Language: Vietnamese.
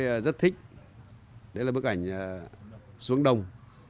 tôi rất thích đấy là bức ảnh xuống đông